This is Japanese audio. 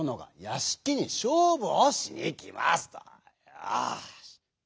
よし。